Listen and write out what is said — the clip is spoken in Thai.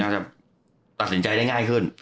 จะตัดสินใจได้ง่ายขึ้น